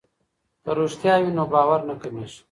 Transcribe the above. که رښتیا وي نو باور نه کمیږي.